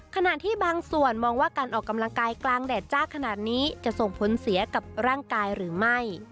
ขณะที่บางส่วนมองว่าการออกกำลังกายกลางแดดจ้าขนาดนี้จะส่งผลเสียกับร่างกายหรือไม่